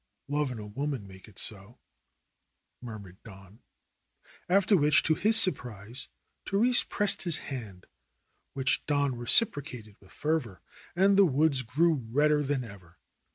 "Love and a woman make it so," murmured Don, after which, to his surprise, Therese pressed his hand, which Don reciprocated with fervor. And the woods grew redder than ever.